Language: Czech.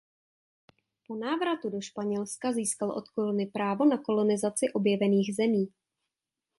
Po návratu do Španělska získal od koruny právo na kolonizaci objevených zemí.